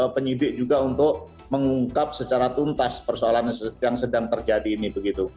penyidik juga untuk mengungkap secara tuntas persoalan yang sedang terjadi ini begitu